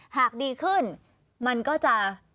หากดีขึ้นมันก็จะ